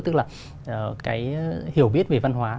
tức là cái hiểu biết về văn hóa